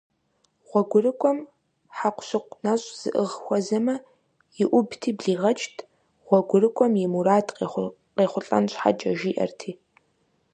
ГъуэгурыкӀуэм хьэкъущыкъу нэщӀ зыӀыгъ хуэзэмэ, иӀубти блигъэкӀт, гъуэгурыкӀуэм и мурад къехъулӀэн щхьэкӀэ, жиӀэрти.